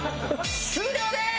終了です！